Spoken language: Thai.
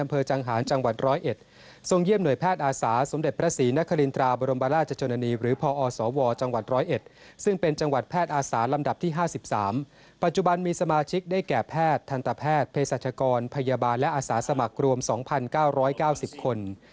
แพทย์อาสารลำดับที่๕๓ปัจจุบันมีสมาชิกได้แก่แพทย์ทันตแพทย์เพศจรกรพยาบาลและอาสาสมัครรวม๒๙๙๐คน